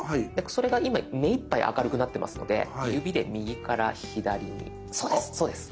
それが今目いっぱい明るくなってますので指で右から左にそうですそうです。